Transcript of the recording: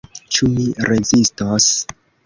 Ĉu mi rezistos?